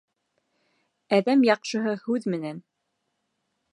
Әҙәм яҡшыһы һүҙ менән.